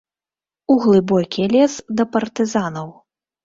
У глыбокі лес да партызанаў.